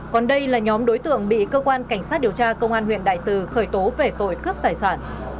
còn đây là nhóm đối tượng bị cơ quan cảnh sát điều tra công an huyện đại từ khởi tố về tội cướp tài sản